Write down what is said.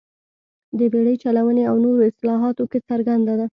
د بېړۍ چلونې او نورو اصلاحاتو کې څرګنده ده.